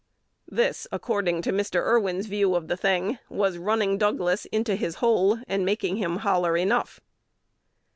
This, according to Mr. Irwin's view of the thing, was running Douglas "into his hole," and making "him holler, Enough."